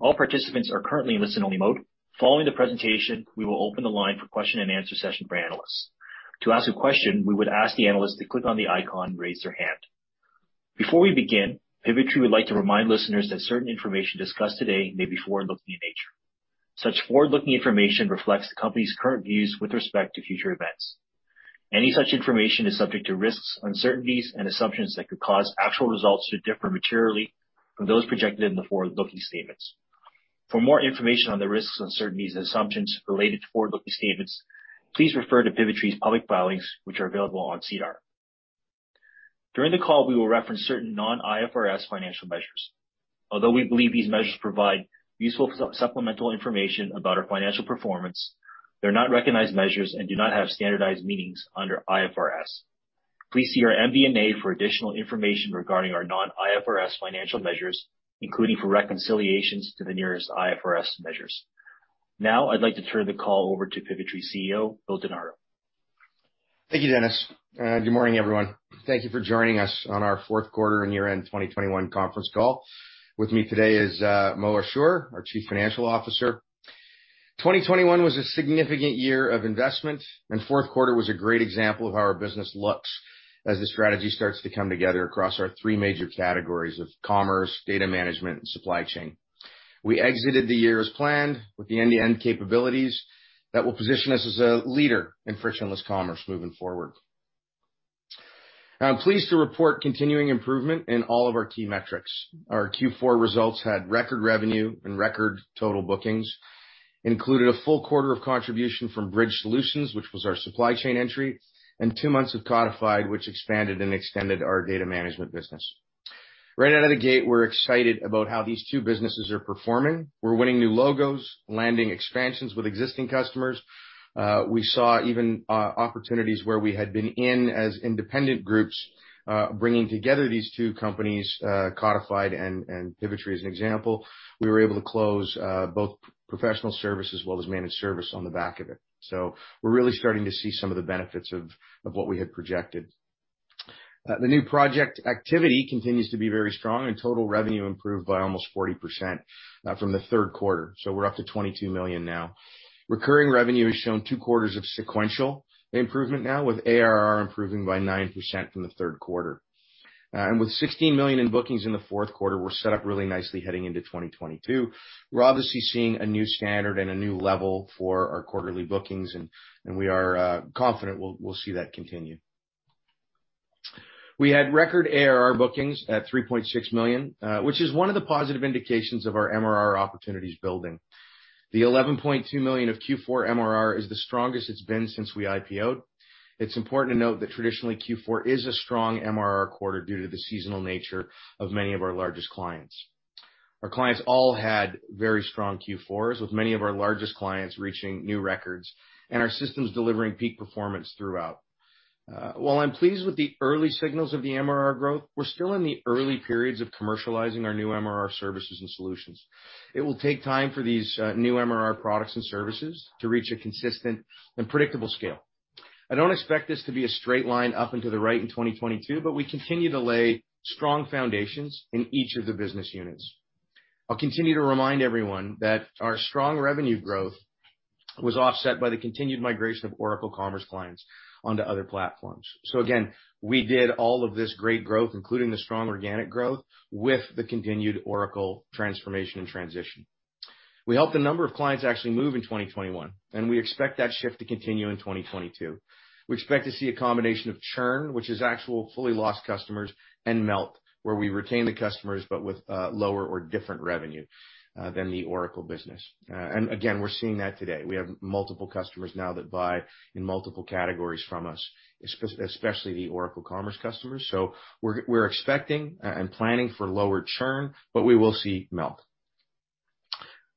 All participants are currently in listen-only mode. Following the presentation, we will open the line for question and answer session for analysts. To ask a question, we would ask the analyst to click on the icon, Raise Your Hand. Before we begin, Pivotree would like to remind listeners that certain information discussed today may be forward-looking in nature. Such forward-looking information reflects the company's current views with respect to future events. Any such information is subject to risks, uncertainties, and assumptions that could cause actual results to differ materially from those projected in the forward-looking statements. For more information on the risks, uncertainties, and assumptions related to forward-looking statements, please refer to Pivotree's public filings, which are available on SEDAR. During the call, we will reference certain non-IFRS financial measures. Although we believe these measures provide useful supplemental information about our financial performance, they're not recognized measures and do not have standardized meanings under IFRS. Please see our MD&A for additional information regarding our non-IFRS financial measures, including for reconciliations to the nearest IFRS measures. Now, I'd like to turn the call over to Pivotree CEO, Bill DiNardo. Thank you, Dennis. Good morning, everyone. Thank you for joining us on our fourth quarter and year-end 2021 conference call. With me today is Mo Ashour, our Chief Financial Officer. 2021 was a significant year of investment, and fourth quarter was a great example of how our business looks as the strategy starts to come together across our three major categories of commerce, data management, and supply chain. We exited the year as planned with the end-to-end capabilities that will position us as a leader in frictionless commerce moving forward. I'm pleased to report continuing improvement in all of our key metrics. Our Q4 results had record revenue and record total bookings, included a full quarter of contribution from Bridge Solutions, which was our supply chain entry, and two months of Codifyd, which expanded and extended our data management business. Right out of the gate, we're excited about how these two businesses are performing. We're winning new logos, landing expansions with existing customers. We saw even opportunities where we had been in as independent groups, bringing together these two companies, Codifyd and Pivotree, as an example. We were able to close both professional service as well as managed service on the back of it. We're really starting to see some of the benefits of what we had projected. The new project activity continues to be very strong, and total revenue improved by almost 40%, from the third quarter, so we're up to 22 million now. Recurring revenue has shown two quarters of sequential improvement now, with ARR improving by 9% from the third quarter. With 16 million in bookings in the fourth quarter, we're set up really nicely heading into 2022. We're obviously seeing a new standard and a new level for our quarterly bookings, we are confident we'll see that continue. We had record ARR bookings at 3.6 million, which is one of the positive indications of our MRR opportunities building. The 11.2 million of Q4 MRR is the strongest it's been since we IPO'd. It's important to note that traditionally, Q4 is a strong MRR quarter due to the seasonal nature of many of our largest clients. Our clients all had very strong Q4s, with many of our largest clients reaching new records, and our systems delivering peak performance throughout. While I'm pleased with the early signals of the MRR growth, we're still in the early periods of commercializing our new MRR services and solutions. It will take time for these, new MRR products and services to reach a consistent and predictable scale. I don't expect this to be a straight line up and to the right in 2022, but we continue to lay strong foundations in each of the business units. I'll continue to remind everyone that our strong revenue growth was offset by the continued migration of Oracle Commerce clients onto other platforms. Again, we did all of this great growth, including the strong organic growth, with the continued Oracle transformation and transition. We helped a number of clients actually move in 2021, and we expect that shift to continue in 2022. We expect to see a combination of churn, which is actual fully lost customers, and melt, where we retain the customers, but with lower or different revenue than the Oracle business. Again, we're seeing that today. We have multiple customers now that buy in multiple categories from us, especially the Oracle Commerce customers. We're expecting and planning for lower churn, but we will see melt.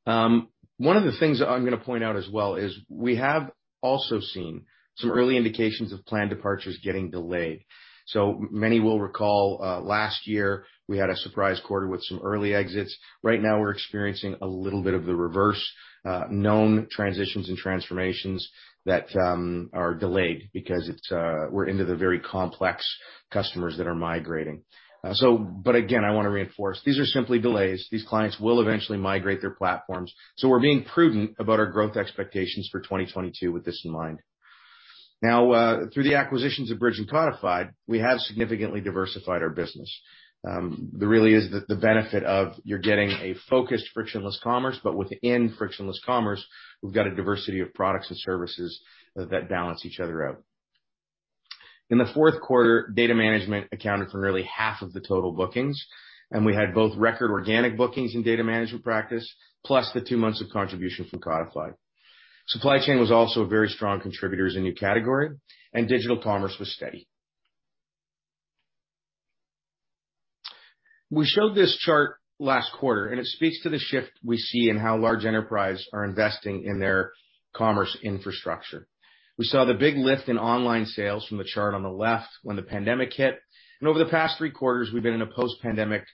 One of the things I'm gonna point out as well is we have also seen some early indications of planned departures getting delayed. Many will recall last year, we had a surprise quarter with some early exits. Right now, we're experiencing a little bit of the reverse, known transitions and transformations that are delayed because it's. We're into the very complex customers that are migrating. Again, I wanna reinforce, these are simply delays. These clients will eventually migrate their platforms, so we're being prudent about our growth expectations for 2022 with this in mind. Now, through the acquisitions of Bridge and Codifyd, we have significantly diversified our business. There really is the benefit of you're getting a focused frictionless commerce, but within frictionless commerce, we've got a diversity of products and services that balance each other out. In the fourth quarter, data management accounted for nearly half of the total bookings, and we had both record organic bookings in data management practice, plus the two months of contribution from Codifyd. Supply chain was also a very strong contributor as a new category, and digital commerce was steady. We showed this chart last quarter, and it speaks to the shift we see in how large enterprises are investing in their commerce infrastructure. We saw the big lift in online sales from the chart on the left when the pandemic hit. Over the past three quarters, we've been in a post-pandemic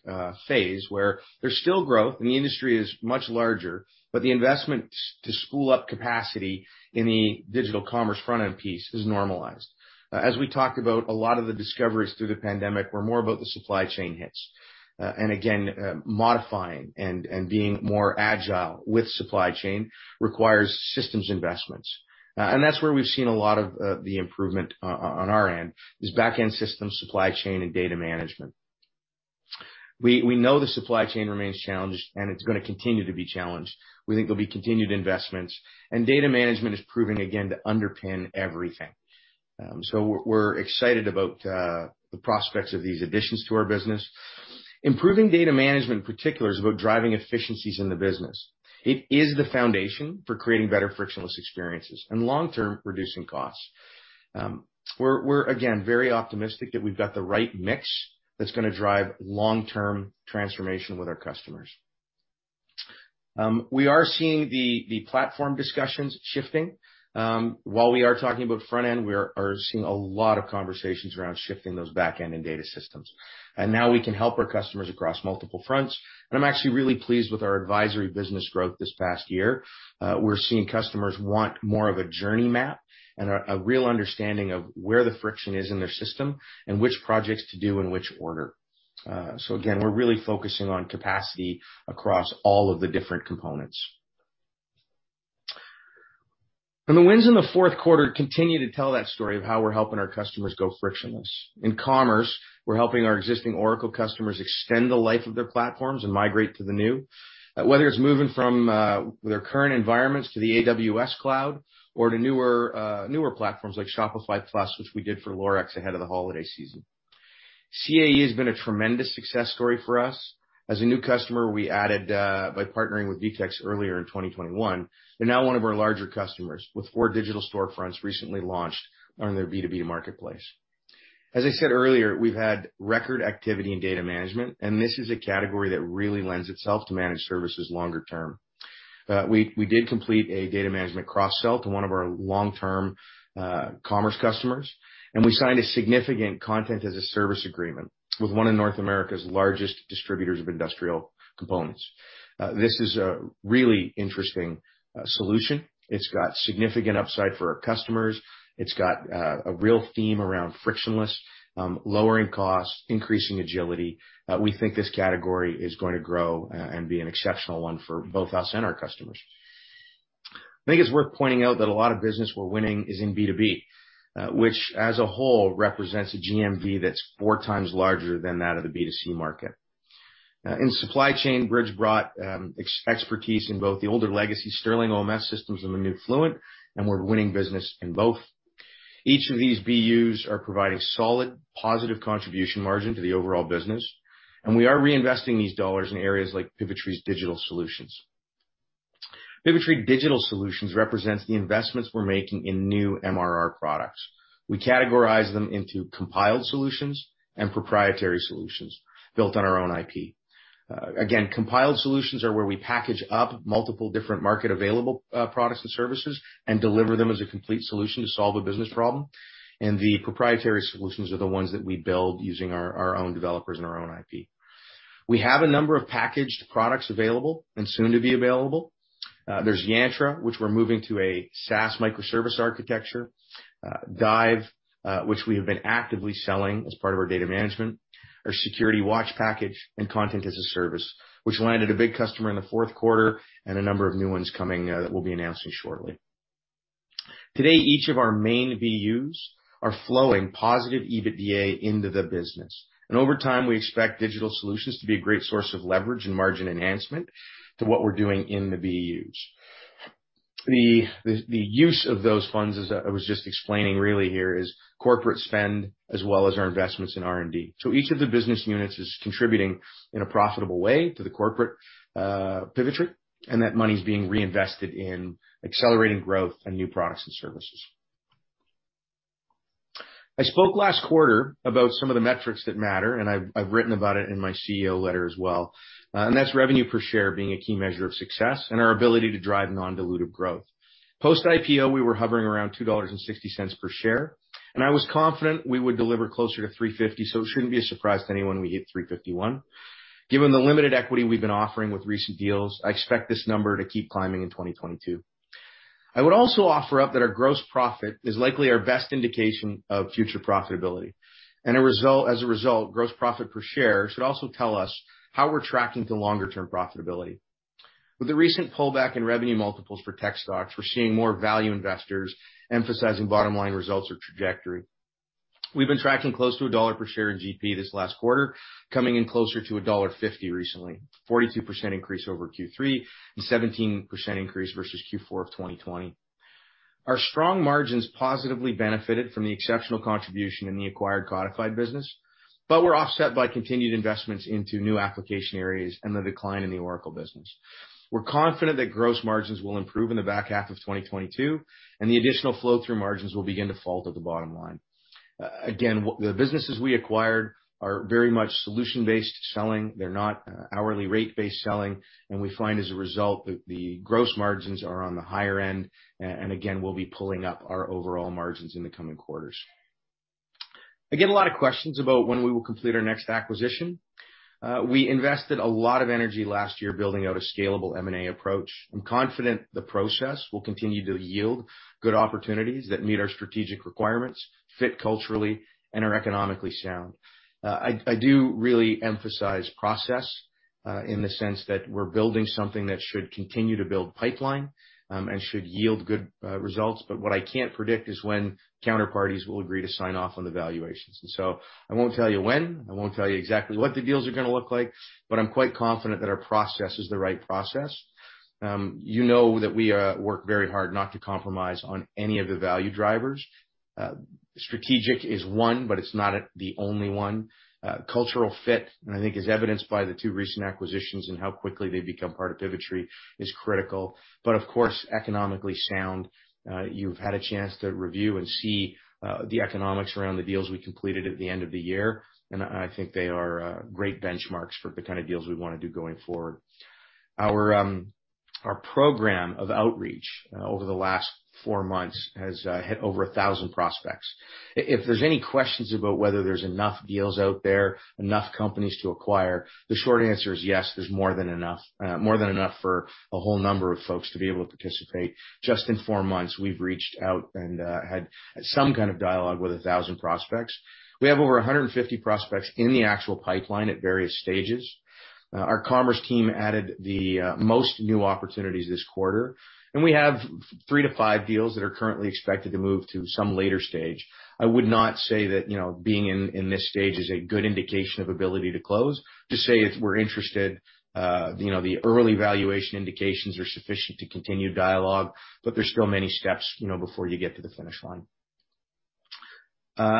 phase, where there's still growth, and the industry is much larger, but the investments to spool up capacity in the digital commerce front-end piece is normalized. As we talked about, a lot of the discoveries through the pandemic were more about the supply chain hits. Modifying and being more agile with supply chain requires systems investments. That's where we've seen a lot of the improvement on our end is back-end systems, supply chain, and data management. We know the supply chain remains challenged and it's gonna continue to be challenged. We think there'll be continued investments and data management is proving again to underpin everything. We're excited about the prospects of these additions to our business. Improving data management in particular is about driving efficiencies in the business. It is the foundation for creating better frictionless experiences and long-term reducing costs. We're again very optimistic that we've got the right mix that's gonna drive long-term transformation with our customers. We are seeing the platform discussions shifting. While we are talking about front end, we are seeing a lot of conversations around shifting those back-end and data systems. Now we can help our customers across multiple fronts, and I'm actually really pleased with our advisory business growth this past year. We're seeing customers want more of a journey map and a real understanding of where the friction is in their system and which projects to do in which order. Again, we're really focusing on capacity across all of the different components. The wins in the fourth quarter continue to tell that story of how we're helping our customers go frictionless. In commerce, we're helping our existing Oracle customers extend the life of their platforms and migrate to the new, whether it's moving from their current environments to the AWS cloud or to newer platforms like Shopify Plus, which we did for Lorex ahead of the holiday season. CAE has been a tremendous success story for us. As a new customer we added by partnering with VTEX earlier in 2021, they're now one of our larger customers with four digital storefronts recently launched on their B2B marketplace. As I said earlier, we've had record activity in data management, and this is a category that really lends itself to managed services longer term. We did complete a data management cross sell to one of our long-term commerce customers, and we signed a significant content as a service agreement with one of North America's largest distributors of industrial components. This is a really interesting solution. It's got significant upside for our customers. It's got a real theme around frictionless lowering costs, increasing agility. We think this category is going to grow and be an exceptional one for both us and our customers. I think it's worth pointing out that a lot of business we're winning is in B2B, which as a whole represents a GMV that's four times larger than that of the B2C market. In supply chain, Bridge brought expertise in both the older legacy Sterling OMS systems and the new Fluent, and we're winning business in both. Each of these BUs are providing solid, positive contribution margin to the overall business, and we are reinvesting these dollars in areas like Pivotree's Digital Solutions. Pivotree Digital Solutions represents the investments we're making in new MRR products. We categorize them into compiled solutions and proprietary solutions built on our own IP. Again, compiled solutions are where we package up multiple different market available products and services and deliver them as a complete solution to solve a business problem, and the proprietary solutions are the ones that we build using our own developers and our own IP. We have a number of packaged products available and soon to be available. There's Yantra, which we're moving to a SaaS microservice architecture, DIVE, which we have been actively selling as part of our data management, our Cybersecurity Watch package, and content as a service, which landed a big customer in the fourth quarter and a number of new ones coming, that we'll be announcing shortly. Today, each of our main BUs are flowing positive EBITDA into the business, and over time, we expect digital solutions to be a great source of leverage and margin enhancement to what we're doing in the BUs. The use of those funds, as I was just explaining really here, is corporate spend as well as our investments in R&D. Each of the business units is contributing in a profitable way to the corporate Pivotree, and that money's being reinvested in accelerating growth and new products and services. I spoke last quarter about some of the metrics that matter, and I've written about it in my CEO letter as well, and that's revenue per share being a key measure of success and our ability to drive non-dilutive growth. Post-IPO, we were hovering around 2.60 dollars per share, and I was confident we would deliver closer to 3.50, so it shouldn't be a surprise to anyone we hit 3.51. Given the limited equity we've been offering with recent deals, I expect this number to keep climbing in 2022. I would also offer up that our gross profit is likely our best indication of future profitability. As a result, gross profit per share should also tell us how we're tracking to longer term profitability. With the recent pullback in revenue multiples for tech stocks, we're seeing more value investors emphasizing bottom-line results or trajectory. We've been tracking close to CAD 1 per share in GP this last quarter, coming in closer to dollar 1.50 recently, 42% increase over Q3, and 17% increase versus Q4 of 2020. Our strong margins positively benefited from the exceptional contribution in the acquired Codifyd business, but were offset by continued investments into new application areas and the decline in the Oracle business. We're confident that gross margins will improve in the back half of 2022, and the additional flow through margins will begin to fall to the bottom line. Again, the businesses we acquired are very much solution-based selling. They're not hourly rate-based selling, and we find as a result that the gross margins are on the higher end and again, we'll be pulling up our overall margins in the coming quarters. I get a lot of questions about when we will complete our next acquisition. We invested a lot of energy last year building out a scalable M&A approach. I'm confident the process will continue to yield good opportunities that meet our strategic requirements, fit culturally, and are economically sound. I do really emphasize process in the sense that we're building something that should continue to build pipeline, and should yield good results. What I can't predict is when counterparties will agree to sign off on the valuations. I won't tell you when, I won't tell you exactly what the deals are gonna look like, but I'm quite confident that our process is the right process. You know that we work very hard not to compromise on any of the value drivers. Strategic is one, but it's not the only one. Cultural fit, and I think as evidenced by the two recent acquisitions and how quickly they become part of Pivotree, is critical. Of course, economically sound. You've had a chance to review and see the economics around the deals we completed at the end of the year, and I think they are great benchmarks for the kind of deals we wanna do going forward. Our program of outreach over the last four months has hit over 1,000 prospects. If there's any questions about whether there's enough deals out there, enough companies to acquire, the short answer is yes, there's more than enough. More than enough for a whole number of folks to be able to participate. Just in four months, we've reached out and had some kind of dialogue with 1,000 prospects. We have over 150 prospects in the actual pipeline at various stages. Our commerce team added the most new opportunities this quarter, and we have 3-5 deals that are currently expected to move to some later stage. I would not say that, you know, being in this stage is a good indication of ability to close, just say if we're interested, you know, the early valuation indications are sufficient to continue dialogue, but there's still many steps, you know, before you get to the finish line.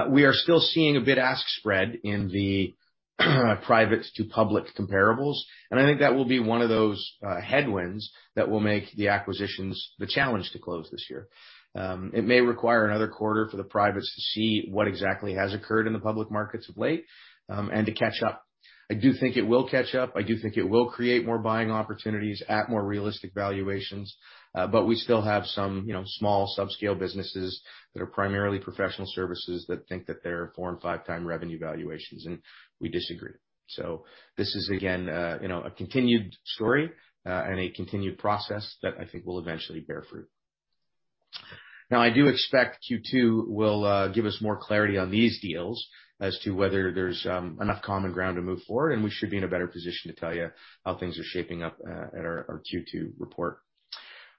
We are still seeing a bid-ask spread in the private to public comparables, and I think that will be one of those headwinds that will make the acquisitions a challenge to close this year. It may require another quarter for the privates to see what exactly has occurred in the public markets of late, and to catch up. I do think it will catch up. I do think it will create more buying opportunities at more realistic valuations, but we still have some, you know, small subscale businesses that are primarily professional services that think that they're four and five-time revenue valuations, and we disagree. This is again, you know, a continued story, and a continued process that I think will eventually bear fruit. Now, I do expect Q2 will give us more clarity on these deals as to whether there's enough common ground to move forward, and we should be in a better position to tell you how things are shaping up at our Q2 report.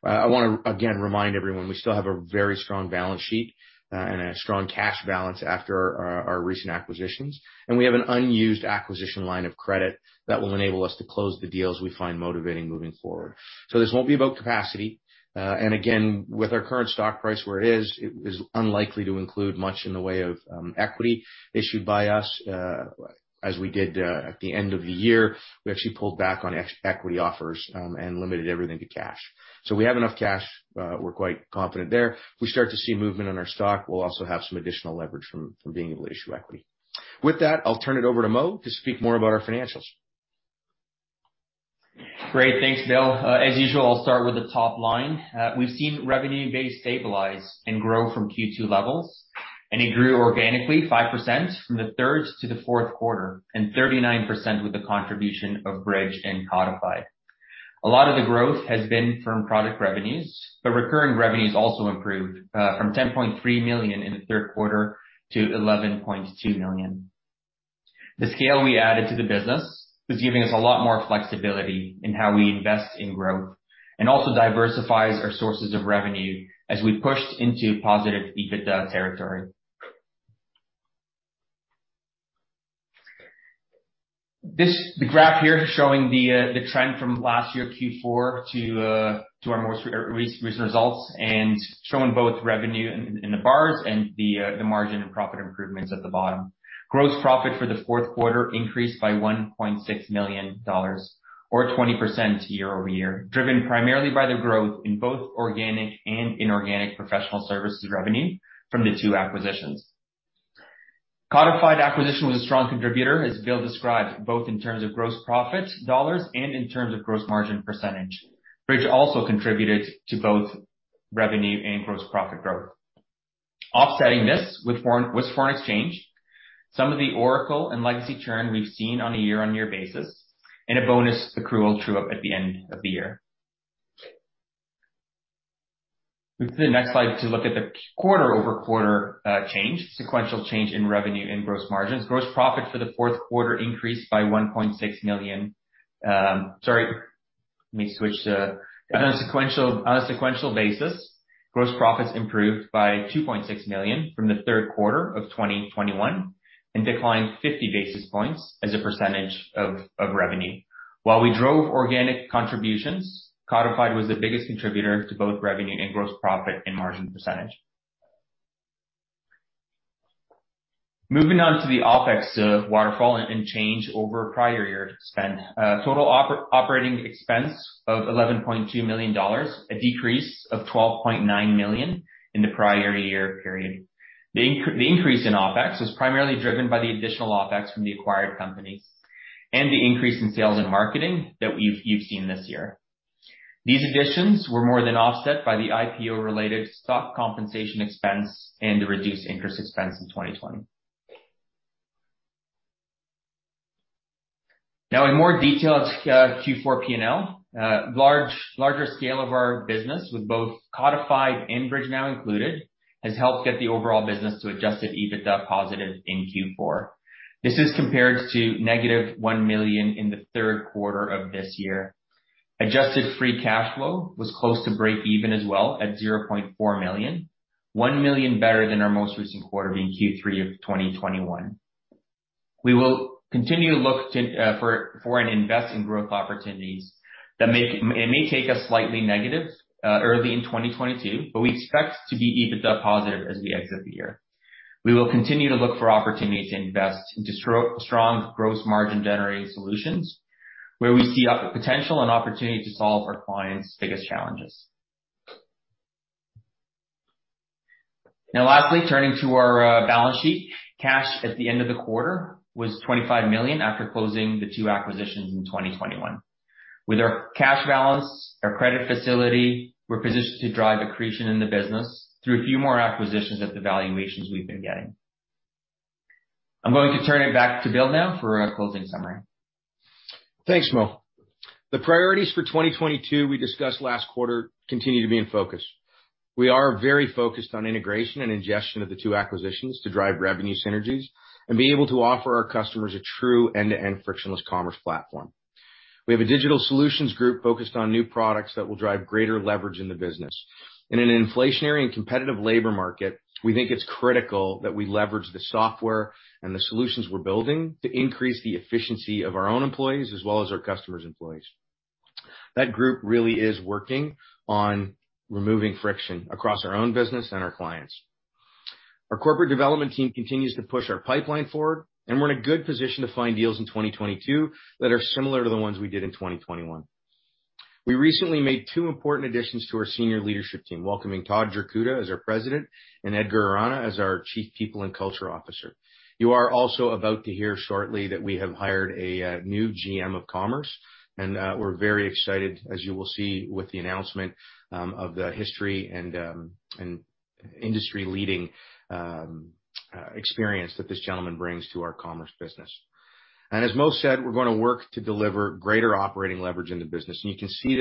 I wanna again remind everyone we still have a very strong balance sheet, and a strong cash balance after our recent acquisitions. We have an unused acquisition line of credit that will enable us to close the deals we find motivating moving forward. This won't be about capacity. Again, with our current stock price where it is, it is unlikely to include much in the way of equity issued by us, as we did at the end of the year. We actually pulled back on equity offers and limited everything to cash. We have enough cash. We're quite confident there. If we start to see movement on our stock, we'll also have some additional leverage from being able to issue equity. With that, I'll turn it over to Mo to speak more about our financials. Great. Thanks, Bill. As usual, I'll start with the top line. We've seen revenue base stabilize and grow from Q2 levels, and it grew organically 5% from the third to the fourth quarter, and 39% with the contribution of Bridge and Codifyd. A lot of the growth has been from product revenues, but recurring revenues also improved from 10.3 million in the third quarter to 11.2 million. The scale we added to the business is giving us a lot more flexibility in how we invest in growth and also diversifies our sources of revenue as we pushed into positive EBITDA territory. The graph here showing the trend from last year Q4 to our more recent results and showing both revenue in the bars and the margin and profit improvements at the bottom. Gross profit for the fourth quarter increased by 1.6 million dollars or 20% year-over-year, driven primarily by the growth in both organic and inorganic professional services revenue from the two acquisitions. Codifyd acquisition was a strong contributor, as Bill described, both in terms of gross profit dollars and in terms of gross margin percentage. Bridge also contributed to both revenue and gross profit growth. Offsetting this was foreign exchange, some of the Oracle and legacy churn we've seen on a year-on-year basis and a bonus accrual true up at the end of the year. Move to the next slide to look at the quarter-over-quarter change, sequential change in revenue and gross margins. On a sequential basis, gross profits improved by 2.6 million from the third quarter of 2021 and declined 50 basis points as a percentage of revenue. While we drove organic contributions, Codifyd was the biggest contributor to both revenue and gross profit and margin percentage. Moving on to the OpEx waterfall and change over prior year spend. Total operating expense of 11.2 million dollars, a decrease of 12.9 million in the prior year period. The increase in OpEx was primarily driven by the additional OpEx from the acquired companies and the increase in sales and marketing that you've seen this year. These additions were more than offset by the IPO-related stock compensation expense and the reduced interest expense in 2020. Now in more detail, it's Q4 P&L. Larger scale of our business with both Codifyd and Bridge now included has helped get the overall business to adjusted EBITDA positive in Q4. This is compared to negative 1 million in the third quarter of this year. Adjusted free cash flow was close to breakeven as well at 0.4 million, 1 million better than our most recent quarter being Q3 of 2021. We will continue to look and invest in growth opportunities that may take us slightly negative early in 2022, but we expect to be EBITDA positive as we exit the year. We will continue to look for opportunities to invest in strong gross margin generating solutions where we see a potential and opportunity to solve our clients' biggest challenges. Now, lastly, turning to our balance sheet. Cash at the end of the quarter was 25 million after closing the two acquisitions in 2021. With our cash balance, our credit facility, we're positioned to drive accretion in the business through a few more acquisitions at the valuations we've been getting. I'm going to turn it back to Bill now for a closing summary. Thanks, Mo. The priorities for 2022 we discussed last quarter continue to be in focus. We are very focused on integration and ingestion of the two acquisitions to drive revenue synergies and be able to offer our customers a true end-to-end frictionless commerce platform. We have a digital solutions group focused on new products that will drive greater leverage in the business. In an inflationary and competitive labor market, we think it's critical that we leverage the software and the solutions we're building to increase the efficiency of our own employees as well as our customers' employees. That group really is working on removing friction across our own business and our clients'. Our corporate development team continues to push our pipeline forward, and we're in a good position to find deals in 2022 that are similar to the ones we did in 2021. We recently made two important additions to our senior leadership team, welcoming Todd Jurkuta as our president and Edgar Aranha as our Chief People and Culture Officer. You are also about to hear shortly that we have hired a new GM of commerce, and we're very excited, as you will see with the announcement, of the history and industry leading experience that this gentleman brings to our commerce business. As Mo said, we're gonna work to deliver greater operating leverage in the business. You can see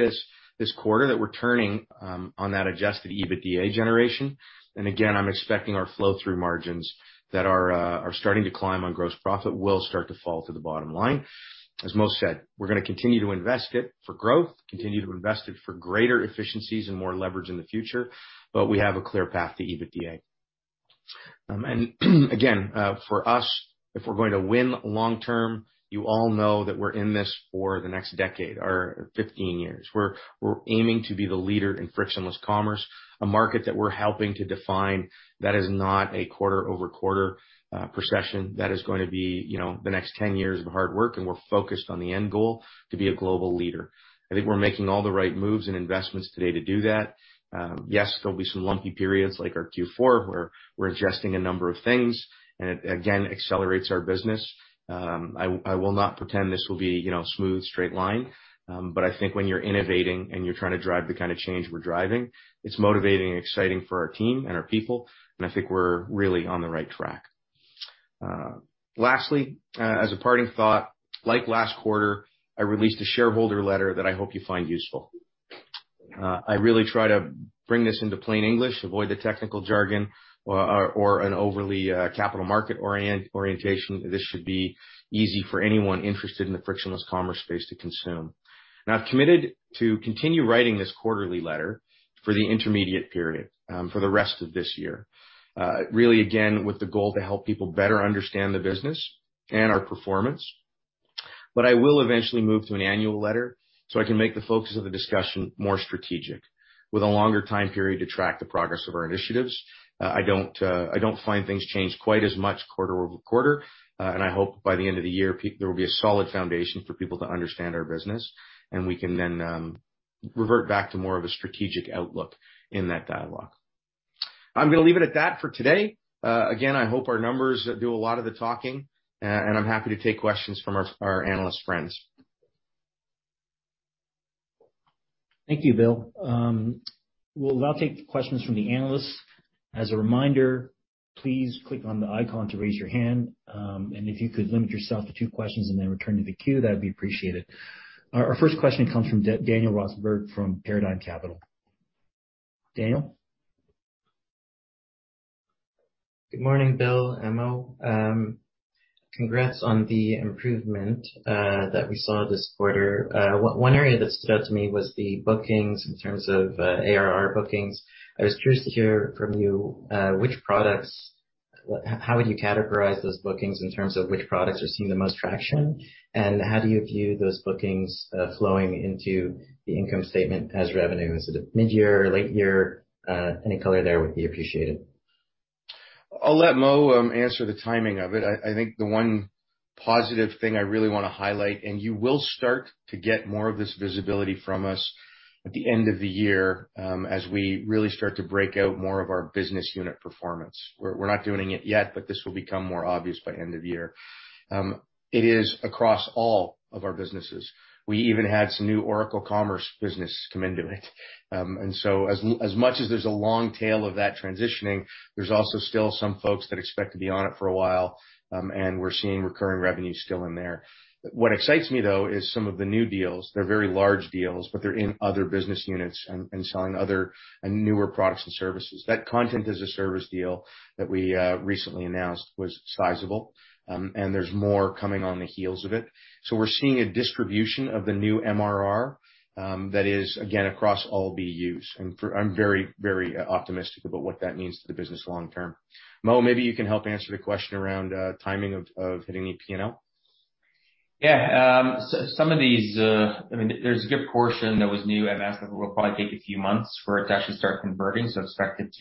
this quarter that we're turning on that adjusted EBITDA generation. Again, I'm expecting our flow through margins that are starting to climb on gross profit will start to fall to the bottom line. As Mo said, we're gonna continue to invest in it for growth, continue to invest in it for greater efficiencies and more leverage in the future, but we have a clear path to EBITDA. Again, for us, if we're going to win long term, you all know that we're in this for the next decade or 15 years. We're aiming to be the leader in frictionless commerce, a market that we're helping to define that is not a quarter-over-quarter progression. That is going to be, you know, the next 10 years of hard work, and we're focused on the end goal, to be a global leader. I think we're making all the right moves and investments today to do that. Yes, there'll be some lumpy periods like our Q4, where we're adjusting a number of things and it again accelerates our business. I will not pretend this will be, you know, smooth, straight line. I think when you're innovating and you're trying to drive the kind of change we're driving, it's motivating and exciting for our team and our people, and I think we're really on the right track. Lastly, as a parting thought, like last quarter, I released a shareholder letter that I hope you find useful. I really try to bring this into plain English, avoid the technical jargon or an overly capital market orientation. This should be easy for anyone interested in the frictionless commerce space to consume. Now, I've committed to continue writing this quarterly letter for the intermediate period, for the rest of this year. Really, again, with the goal to help people better understand the business and our performance. I will eventually move to an annual letter, so I can make the focus of the discussion more strategic, with a longer time period to track the progress of our initiatives. I don't find things change quite as much quarter over quarter. I hope by the end of the year, there will be a solid foundation for people to understand our business, and we can then revert back to more of a strategic outlook in that dialogue. I'm gonna leave it at that for today. Again, I hope our numbers do a lot of the talking, and I'm happy to take questions from our analyst friends. Thank you, Bill. We'll now take questions from the analysts. As a reminder, please click on the icon to raise your hand. If you could limit yourself to two questions and then return to the queue, that'd be appreciated. Our first question comes from Daniel Rosenberg from Paradigm Capital. Daniel. Good morning, Bill, Mo. Congrats on the improvement that we saw this quarter. One area that stood out to me was the bookings in terms of ARR bookings. I was curious to hear from you which products? How would you categorize those bookings in terms of which products are seeing the most traction? How do you view those bookings flowing into the income statement as revenue? Is it mid-year or late year? Any color there would be appreciated. I'll let Mo answer the timing of it. I think the one positive thing I really wanna highlight, and you will start to get more of this visibility from us at the end of the year, as we really start to break out more of our business unit performance. We're not doing it yet, but this will become more obvious by end of year. It is across all of our businesses. We even had some new Oracle Commerce business come into it. And so as much as there's a long tail of that transitioning, there's also still some folks that expect to be on it for a while, and we're seeing recurring revenue still in there. What excites me though is some of the new deals. They're very large deals, but they're in other business units and selling other and newer products and services. That content as a service deal that we recently announced was sizable, and there's more coming on the heels of it. We're seeing a distribution of the new MRR that is again across all BUs. I'm very, very optimistic about what that means to the business long term. Mo, maybe you can help answer the question around timing of hitting a P&L. Yeah. Some of these, I mean, there's a good portion that was new and that's probably gonna take a few months for it to actually start converting. Expect it.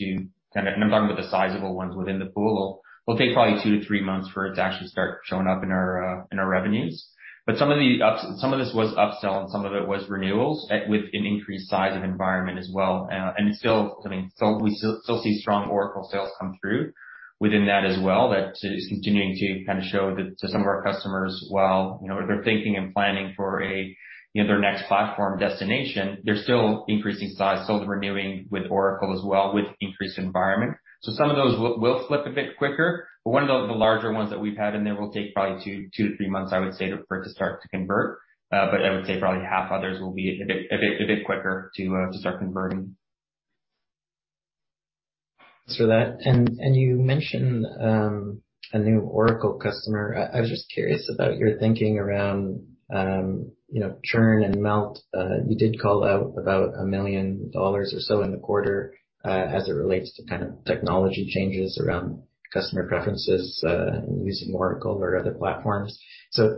I'm talking about the sizable ones within the pool. It will take probably two to three months for it to actually start showing up in our revenues. Some of this was upsell, and some of it was renewals with an increased size of environment as well. It's still, I mean, we still see strong Oracle sales come through within that as well. That is continuing to kind of show that to some of our customers while, you know, they're thinking and planning for a, you know, their next platform destination, they're still increasing size, still renewing with Oracle as well with increased environment. Some of those will flip a bit quicker. One of the larger ones that we've had in there will take probably two-three months, I would say, for it to start to convert. I would say probably half others will be a bit quicker to start converting. Thanks for that. You mentioned a new Oracle customer. I was just curious about your thinking around you know, churn and melt. You did call out about 1 million dollars or so in the quarter as it relates to kind of technology changes around customer preferences using Oracle over other platforms. You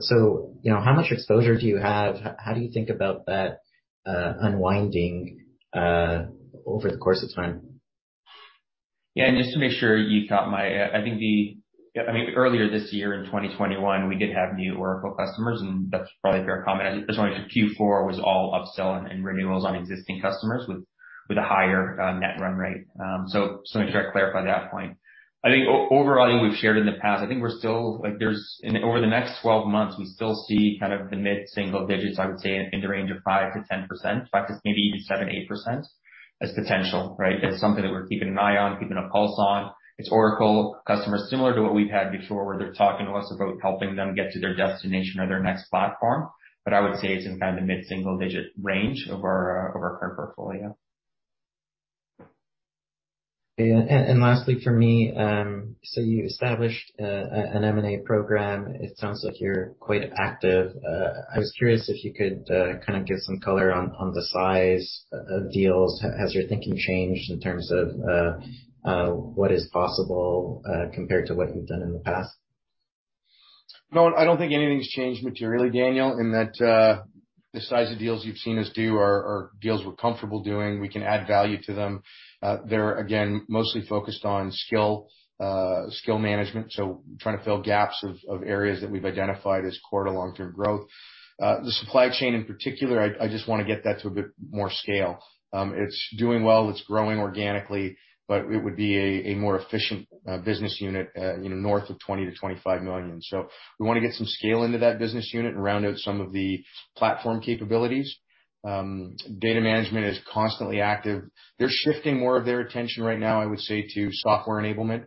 know, how much exposure do you have? How do you think about that unwinding over the course of time? Yeah. Just to make sure you caught my. I think the. Yeah, I mean, earlier this year in 2021, we did have new Oracle customers, and that's probably a fair comment. I just wanna say Q4 was all upsell and renewals on existing customers with a higher net run rate. Just wanna make sure I clarify that point. I think overall, I think we've shared in the past, I think we're still like. Over the next 12 months, we still see kind of the mid-single digits, I would say, in the range of 5%-10%, perhaps maybe even 7%, 8% as potential, right? It's something that we're keeping an eye on, keeping a pulse on. It's Oracle customers similar to what we've had before, where they're talking to us about helping them get to their destination or their next platform. I would say it's in kind of the mid-single digit range of our current portfolio. Yeah. Lastly for me, so you established an M&A program. It sounds like you're quite active. I was curious if you could kind of give some color on the size of deals. Has your thinking changed in terms of what is possible compared to what you've done in the past? No, I don't think anything's changed materially, Daniel, in that, the size of deals you've seen us do are deals we're comfortable doing. We can add value to them. They're again, mostly focused on skill management, so trying to fill gaps of areas that we've identified as core to long-term growth. The supply chain in particular, I just wanna get that to a bit more scale. It's doing well. It's growing organically, but it would be a more efficient business unit, you know, north of 20 million-25 million. So we wanna get some scale into that business unit and round out some of the platform capabilities. Data management is constantly active. They're shifting more of their attention right now, I would say, to software enablement.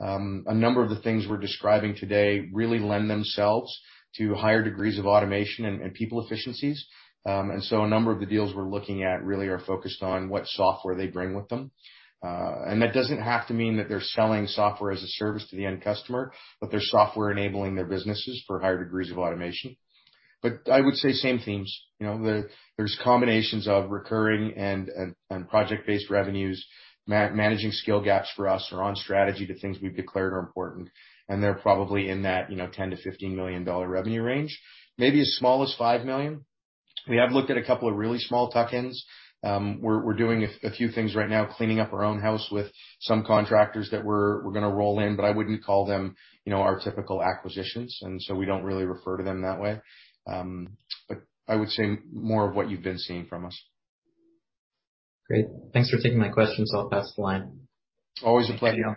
A number of the things we're describing today really lend themselves to higher degrees of automation and people efficiencies. A number of the deals we're looking at really are focused on what software they bring with them. That doesn't have to mean that they're selling software as a service to the end customer, but they're software enabling their businesses for higher degrees of automation. I would say same themes. You know, there's combinations of recurring and project-based revenues, managing skill gaps for us or on strategy to things we've declared are important, and they're probably in that, you know, 10 million-15 million dollar revenue range, maybe as small as 5 million. We have looked at a couple of really small tuck-ins. We're doing a few things right now, cleaning up our own house with some contractors that we're gonna roll in, but I wouldn't call them, you know, our typical acquisitions, and so we don't really refer to them that way. I would say more of what you've been seeing from us. Great. Thanks for taking my questions. I'll pass the line. Always a pleasure. Thank you.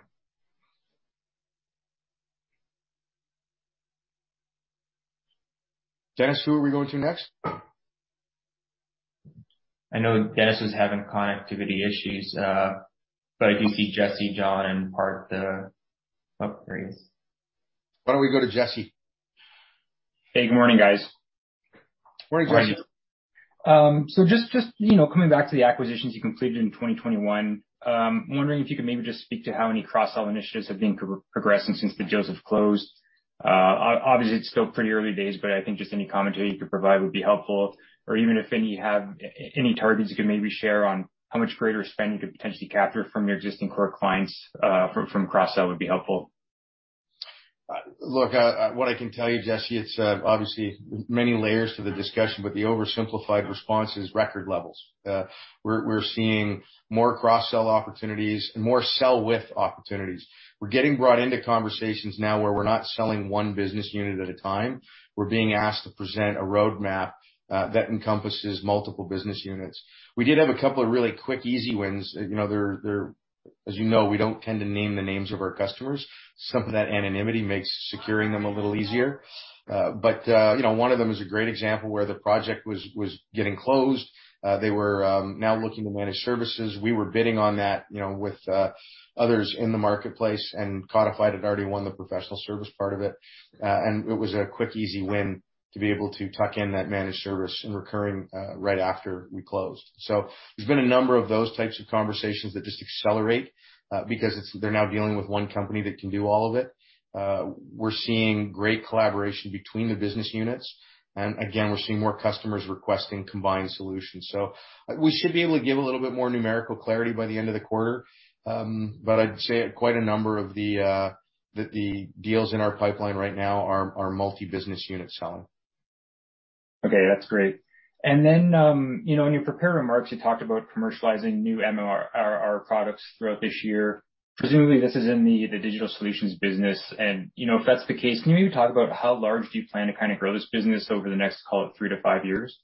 Dennis, who are we going to next? I know Dennis was having connectivity issues, but I do see Jesse, John, and Par. Oh, there he is. Why don't we go to Jesse? Hey, good morning, guys. Morning, Jesse. Just you know, coming back to the acquisitions you completed in 2021, wondering if you could maybe just speak to how many cross-sell initiatives have been progressing since the deals have closed. Obviously, it's still pretty early days, but I think just any commentary you could provide would be helpful. Or even if you have any targets you could maybe share on how much greater spend you could potentially capture from your existing core clients from cross-sell would be helpful. Look, what I can tell you, Jesse, it's obviously many layers to the discussion, but the oversimplified response is record levels. We're seeing more cross-sell opportunities and more sell with opportunities. We're getting brought into conversations now where we're not selling one business unit at a time. We're being asked to present a roadmap that encompasses multiple business units. We did have a couple of really quick easy wins. You know, as you know, we don't tend to name the names of our customers. Some of that anonymity makes securing them a little easier. You know, one of them is a great example where the project was getting closed. They were now looking to manage services. We were bidding on that, you know, with others in the marketplace, and Codifyd had already won the professional service part of it. It was a quick, easy win to be able to tuck in that managed service and recurring right after we closed. There's been a number of those types of conversations that just accelerate because they're now dealing with one company that can do all of it. We're seeing great collaboration between the business units. Again, we're seeing more customers requesting combined solutions. We should be able to give a little bit more numerical clarity by the end of the quarter. I'd say quite a number of the deals in our pipeline right now are multi-business unit selling. Okay, that's great. You know, in your prepared remarks, you talked about commercializing new MRR products throughout this year. Presumably, this is in the digital solutions business and, you know, if that's the case, can you talk about how large do you plan to kind of grow this business over the next, call it, three-five years?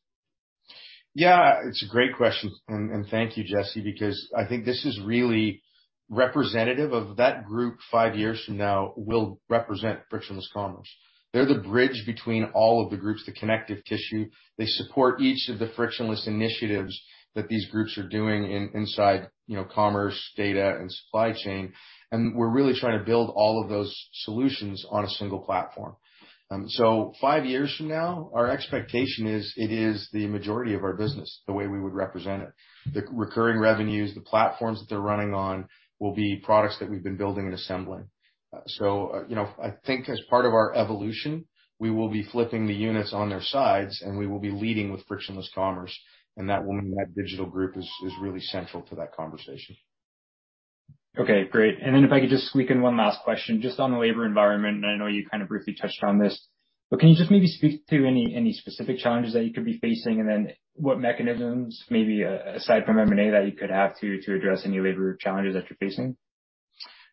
Yeah, it's a great question, and thank you, Jesse, because I think this is really representative of that group. Five years from now will represent frictionless commerce. They're the bridge between all of the groups, the connective tissue. They support each of the frictionless initiatives that these groups are doing inside, you know, commerce, data, and supply chain. We're really trying to build all of those solutions on a single platform. Five years from now, our expectation is it is the majority of our business, the way we would represent it. The recurring revenues, the platforms that they're running on will be products that we've been building and assembling. you know, I think as part of our evolution, we will be flipping the units on their sides, and we will be leading with frictionless commerce, and that will mean that digital group is really central to that conversation. Okay, great. Then if I could just squeak in one last question, just on the labor environment, and I know you kind of briefly touched on this. Can you just maybe speak to any specific challenges that you could be facing and then what mechanisms, maybe aside from M&A, that you could have to address any labor challenges that you're facing?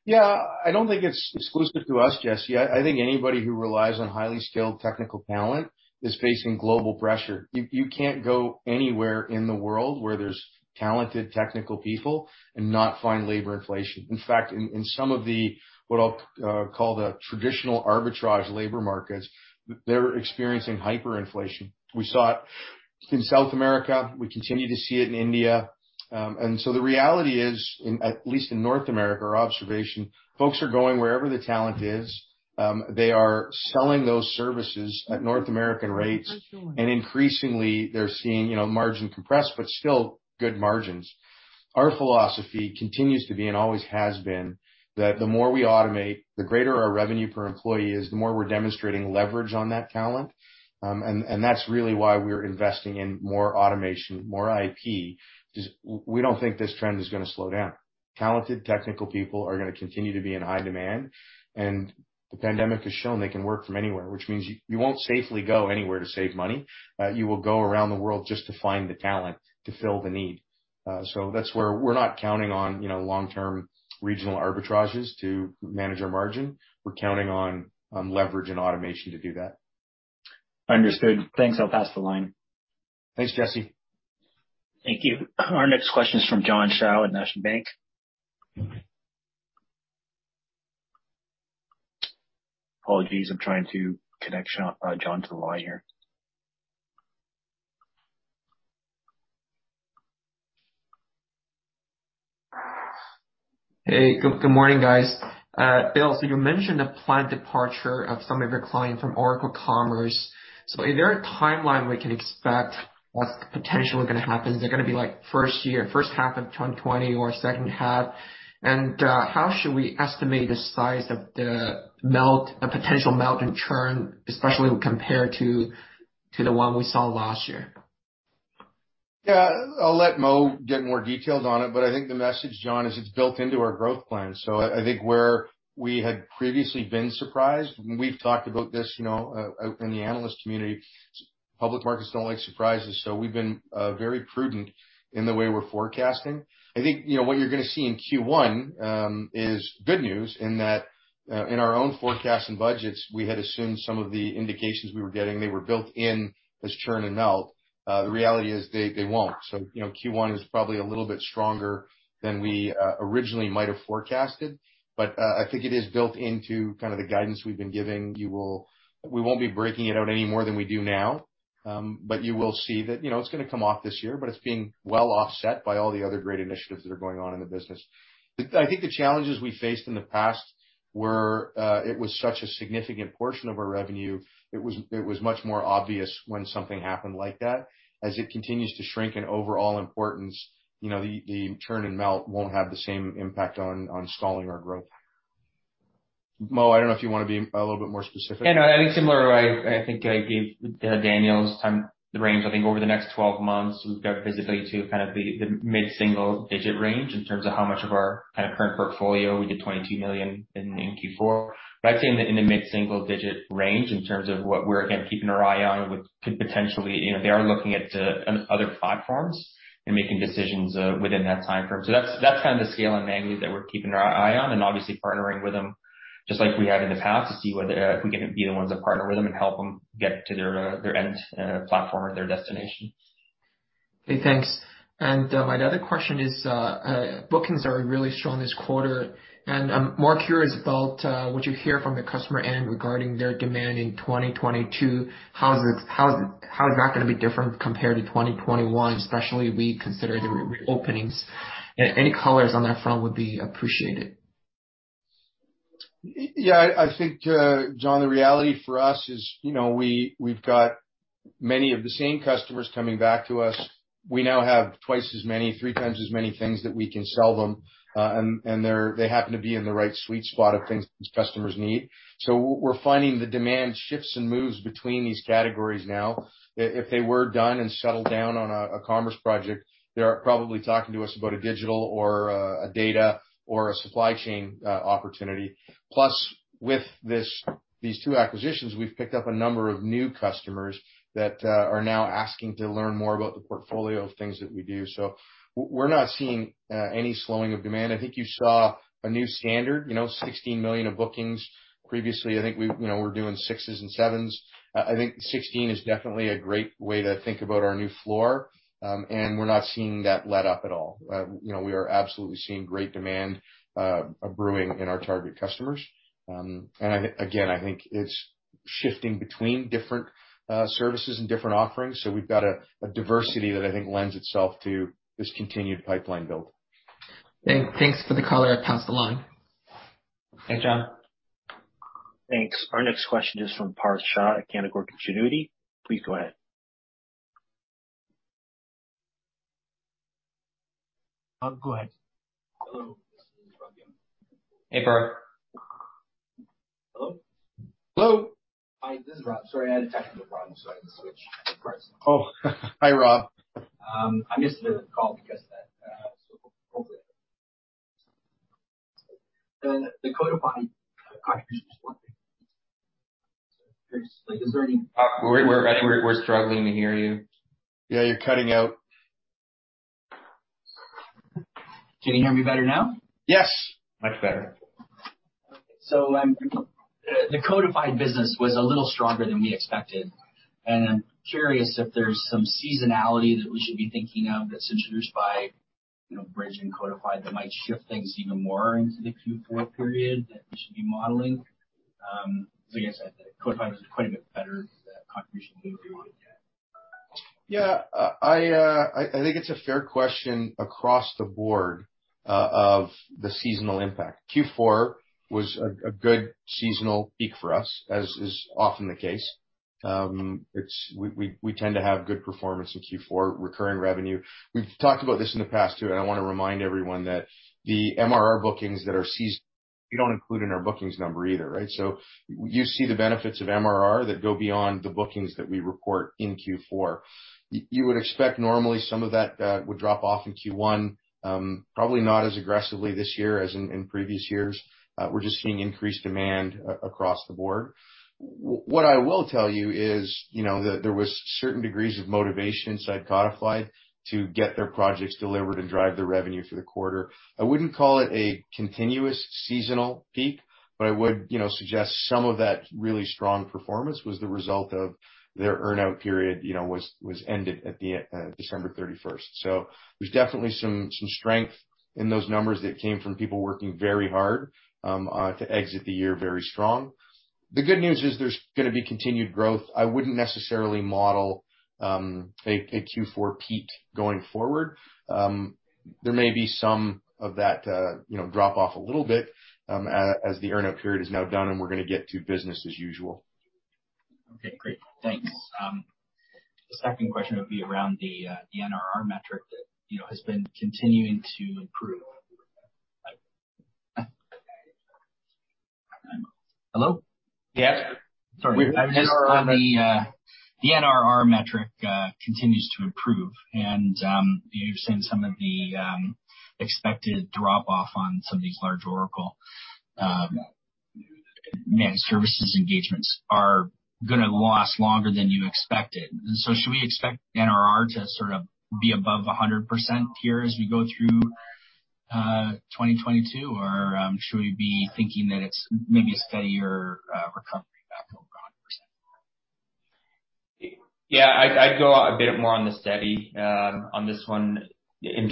Yeah. I don't think it's exclusive to us, Jesse. I think anybody who relies on highly skilled technical talent is facing global pressure. You can't go anywhere in the world where there's talented technical people and not find labor inflation. In fact, in some of the what I'll call the traditional arbitrage labor markets, they're experiencing hyperinflation. We saw it in South America. We continue to see it in India. The reality is, at least in North America, our observation, folks are going wherever the talent is. They are selling those services at North American rates, and increasingly they're seeing, you know, margin compression, but still good margins. Our philosophy continues to be and always has been that the more we automate, the greater our revenue per employee is, the more we're demonstrating leverage on that talent. That's really why we're investing in more automation, more IP, 'cause we don't think this trend is gonna slow down. Talented technical people are gonna continue to be in high demand, and the pandemic has shown they can work from anywhere, which means you don't have to go anywhere to save money. You will go around the world just to find the talent to fill the need. That's where we're not counting on, you know, long-term regional arbitrages to manage our margin. We're counting on leverage and automation to do that. Understood. Thanks. I'll pass the line. Thanks, Jesse. Thank you. Our next question is from John Shao at National Bank. Apologies, I'm trying to connect John to the line here. Hey, good morning, guys. Bill, so you mentioned the planned departure of some of your clients from Oracle Commerce. Is there a timeline we can expect what's potentially gonna happen? Is it gonna be, like, first year, first half of 2020 or second half? How should we estimate the size of the melt, the potential melt and churn, especially compared to the one we saw last year? Yeah. I'll let Mo get more detailed on it, but I think the message, John, is it's built into our growth plan. I think where we had previously been surprised, and we've talked about this, you know, out in the analyst community, public markets don't like surprises, so we've been very prudent in the way we're forecasting. I think, you know, what you're gonna see in Q1 is good news in that in our own forecast and budgets, we had assumed some of the indications we were getting, they were built in as churn and melt. The reality is they won't. Q1 is probably a little bit stronger than we originally might have forecasted. I think it is built into kind of the guidance we've been giving. We won't be breaking it out any more than we do now, but you will see that, you know, it's gonna come off this year, but it's being well offset by all the other great initiatives that are going on in the business. I think the challenges we faced in the past were, it was such a significant portion of our revenue, it was much more obvious when something happened like that. As it continues to shrink in overall importance, you know, the churn and melt won't have the same impact on stalling our growth. Mo, I don't know if you wanna be a little bit more specific. You know, I think similar. I think I gave Daniel's time the range. I think over the next 12 months, we've got visibility to kind of the mid-single digit range in terms of how much of our kind of current portfolio. We did 22 million in Q4. I'd say in the mid-single digit range in terms of what we're again keeping our eye on with potentially. You know, they are looking at other platforms and making decisions within that timeframe. That's kind of the scale and magnitude that we're keeping our eye on and obviously partnering with them, just like we have in the past, to see whether if we can be the ones that partner with them and help them get to their end platform or their destination. Okay, thanks. My other question is, bookings are really strong this quarter, and I'm more curious about what you hear from the customer end regarding their demand in 2022. How is that gonna be different compared to 2021, especially as we consider the reopenings? Any colors on that front would be appreciated. Yeah. I think, John, the reality for us is, we've got many of the same customers coming back to us. We now have twice as many,3x as many things that we can sell them, and they happen to be in the right sweet spot of things these customers need. We're finding the demand shifts and moves between these categories now. If they were done and settled down on a commerce project, they are probably talking to us about a digital or a data or a supply chain opportunity. Plus, with these two acquisitions, we've picked up a number of new customers that are now asking to learn more about the portfolio of things that we do. We're not seeing any slowing of demand. I think you saw a new standard, you know, 16 million of bookings. Previously, I think we, you know, were doing 6s and 7s. I think 16 is definitely a great way to think about our new floor, and we're not seeing that let up at all. You know, we are absolutely seeing great demand brewing in our target customers. Again, I think it's shifting between different services and different offerings, so we've got a diversity that I think lends itself to this continued pipeline build. Thanks for the color. I'll pass along. Thanks, John. Thanks. Our next question is from Par Shah at Canaccord Genuity. Please go ahead. Go ahead. Hello, this is Robert Young. Hey, Par. Hello? Hello. Hi, this is Rob. Sorry, I had a technical problem, so I had to switch devices. Oh. Hi, Rob. I missed the call because of that. The Codifyd contribution is one thing. I think we're struggling to hear you. Yeah, you're cutting out. Can you hear me better now? Yes. Much better. The Codifyd business was a little stronger than we expected, and I'm curious if there's some seasonality that we should be thinking of that's introduced by, you know, Bridge and Codifyd that might shift things even more into the Q4 period that we should be modeling. I guess Codifyd was quite a bit better contribution than we wanted, yeah. Yeah. I think it's a fair question across the board of the seasonal impact. Q4 was a good seasonal peak for us, as is often the case. We tend to have good performance in Q4, recurring revenue. We've talked about this in the past too, and I wanna remind everyone that the MRR bookings we don't include in our bookings number either, right? So you see the benefits of MRR that go beyond the bookings that we report in Q4. You would expect normally some of that would drop off in Q1, probably not as aggressively this year as in previous years. We're just seeing increased demand across the board. What I will tell you is, you know, that there was certain degrees of motivation inside Codifyd to get their projects delivered and drive the revenue for the quarter. I wouldn't call it a continuous seasonal peak, but I would, you know, suggest some of that really strong performance was the result of their earn-out period, you know, was ended at the end, December 31. There's definitely some strength in those numbers that came from people working very hard to exit the year very strong. The good news is there's gonna be continued growth. I wouldn't necessarily model a Q4 peak going forward. There may be some of that, you know, drop off a little bit, as the earn-out period is now done, and we're gonna get to business as usual. Okay, great. Thanks. The second question would be around the NRR metric that, you know, has been continuing to improve. Hello? Yes. Sorry. We're- Just on the NRR metric, it continues to improve and you've seen some of the expected drop off on some of these large Oracle managed services engagements that are gonna last longer than you expected. Should we expect NRR to sort of be above 100% here as we go through 2022? Or should we be thinking that it's maybe a steadier recovery back over 100%? Yeah. I'd go a bit more on the steady, on this one. As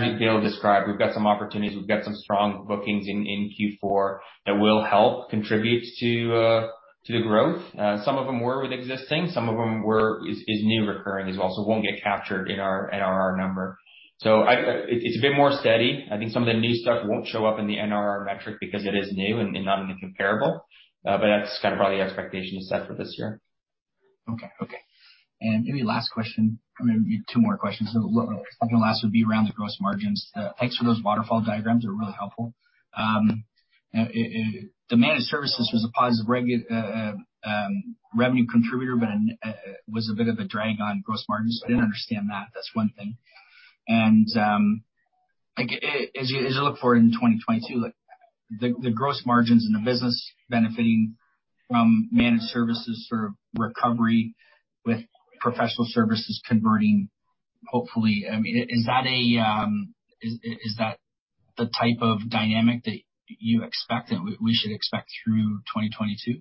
Bill Di Nardo described, we've got some opportunities, we've got some strong bookings in Q4 that will help contribute to the growth. Some of them were with existing, some of them were new recurring as well, so won't get captured in our NRR number. It's a bit more steady. I think some of the new stuff won't show up in the NRR metric because it is new and not in the comparable. That's kind of where the expectation is set for this year. Maybe last question. I mean, two more questions. Second to last would be around the gross margins. Thanks for those waterfall diagrams, they were really helpful. Managed services was a positive revenue contributor, but was a bit of a drag on gross margins. I didn't understand that. That's one thing. Like, as you look forward into 2022, like, the gross margins in the business benefiting from managed services sort of recovery with professional services converting, hopefully. I mean, is that the type of dynamic that you expect and we should expect through 2022?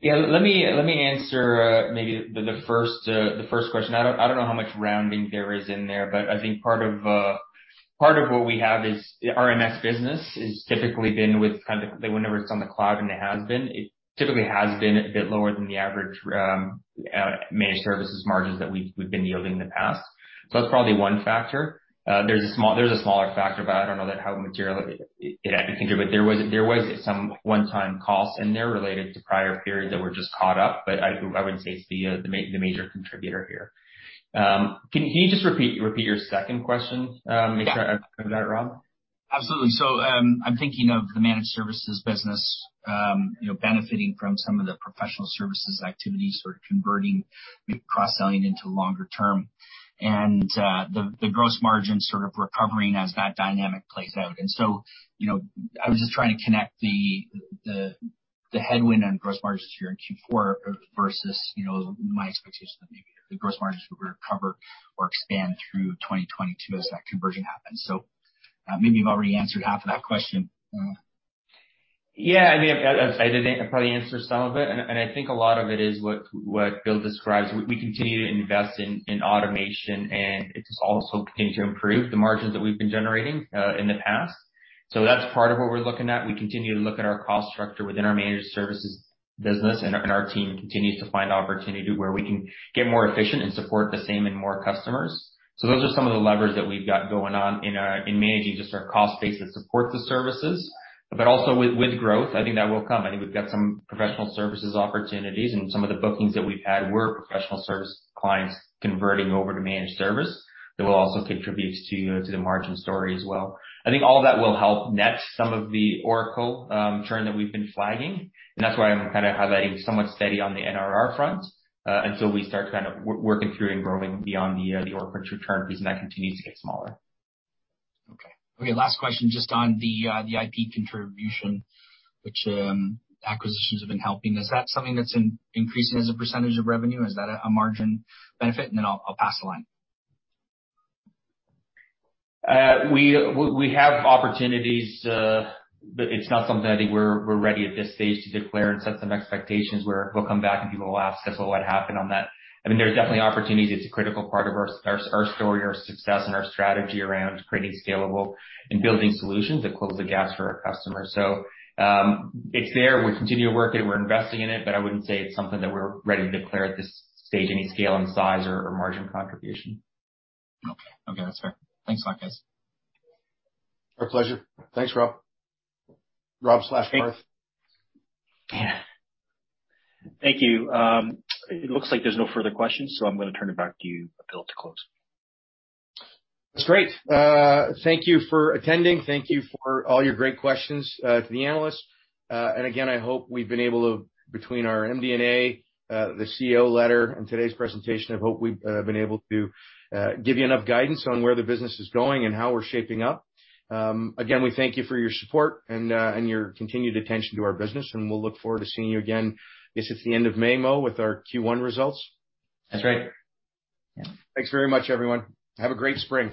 Yeah. Let me answer maybe the first question. I don't know how much rounding there is in there, but I think part of what we have is our MS business is typically been with kind of the whenever it's on the cloud, and it typically has been a bit lower than the average managed services margins that we've been yielding in the past. That's probably one factor. There's a smaller factor, but I don't know how material it can be. There was some one-time costs in there related to prior periods that were just caught up, but I wouldn't say it's the major contributor here. Can you just repeat your second question? Make sure I heard that right, Rob. Absolutely. I'm thinking of the managed services business, you know, benefiting from some of the professional services activities sort of converting, maybe cross-selling into longer term. The gross margin sort of recovering as that dynamic plays out. You know, I was just trying to connect the headwind on gross margins here in Q4 versus, you know, my expectation that maybe the gross margins will recover or expand through 2022 as that conversion happens. Maybe you've already answered half of that question. Yeah. I mean, I probably answered some of it. I think a lot of it is what Bill describes. We continue to invest in automation, and it's also looking to improve the margins that we've been generating in the past. That's part of what we're looking at. We continue to look at our cost structure within our managed services business, and our team continues to find opportunity where we can get more efficient and support the same and more customers. Those are some of the levers that we've got going on in managing just our cost base that supports the services. Also with growth, I think that will come. I think we've got some professional services opportunities, and some of the bookings that we've had were professional service clients converting over to managed service. That will also contribute to the margin story as well. I think all of that will help net some of the Oracle churn that we've been flagging. That's why I'm kind of highlighting somewhat steady on the NRR front until we start kind of working through and growing beyond the Oracle churn because that continues to get smaller. Okay. Last question just on the IP contribution, which acquisitions have been helping. Is that something that's increasing as a percentage of revenue? Is that a margin benefit? Then I'll pass along. We have opportunities, but it's not something I think we're ready at this stage to declare and set some expectations where we'll come back, and people will ask us what happened on that. I mean, there's definitely opportunities. It's a critical part of our story, our success, and our strategy around creating scalable and building solutions that close the gaps for our customers. It's there. We continue to work it, we're investing in it, but I wouldn't say it's something that we're ready to declare at this stage any scale and size or margin contribution. Okay. Okay, that's fair. Thanks a lot, guys. Our pleasure. Thanks, Rob. Rob slash Garth. Thank you. It looks like there's no further questions, so I'm gonna turn it back to you, Bill, to close. That's great. Thank you for attending. Thank you for all your great questions to the analysts. Again, I hope we've been able to, between our MD&A, the CEO letter, and today's presentation, give you enough guidance on where the business is going and how we're shaping up. Again, we thank you for your support and your continued attention to our business, and we'll look forward to seeing you again, I guess it's the end of May, Mo, with our Q1 results. That's right. Yeah. Thanks very much, everyone. Have a great spring.